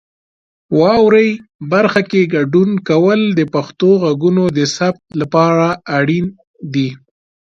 واورئ برخه کې ګډون کول د پښتو غږونو د ثبت لپاره اړین دي.